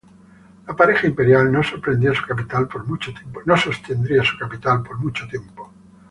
La pareja imperial no sostendría su capital por mucho tiempo.